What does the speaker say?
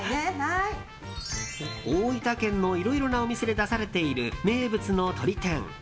大分県のいろいろなお店で出されている名物のとり天。